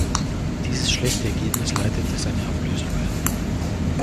Dieses schlechte Ergebnis leitete seine Ablösung ein.